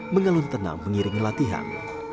mengalun tenang mengiring latihan